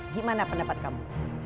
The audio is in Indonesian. gimana pendapat kamu